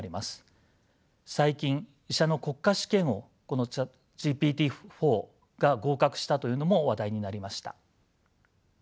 最近医者の国家試験をこのＣｈａｔＧＰＴ−４が合格したというのも話題になりました。